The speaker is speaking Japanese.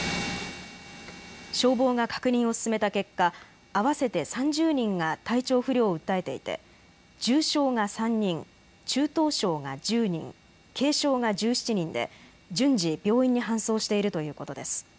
消防が確認を進めた結果、合わせて３０人が体調不良を訴えていて重症が３人、中等症が１０人、軽症が１７人で順次、病院に搬送しているということです。